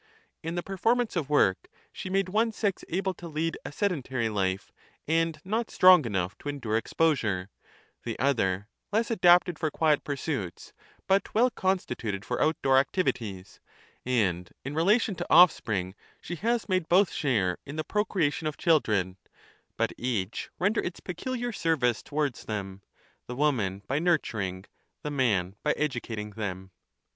In the performance of work, she made one sex able to lead a sedentary life and not strong enough to endure exposure, the other less adapted for quiet pursuits but well 5 constituted for outdoor activities ; and in relation to offspring she has made both share in the procreation of children, but each render its peculiar service towards them, the woman by nurturing, the man by educating them.